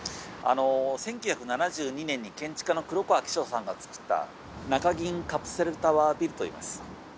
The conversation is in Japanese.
１９７２年に建築家の黒川紀章さんが作った、中銀カプセルタワービルといいます。